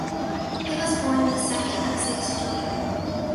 He was born the second of six children.